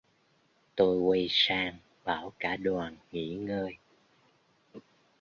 Tôi quay sang bảo cả đoàn nghỉ ngơi